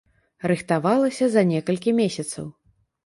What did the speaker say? Рыхтавалася за некалькі месяцаў.